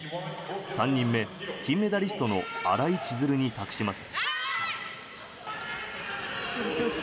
３人目、金メダリストの新井千鶴に託します。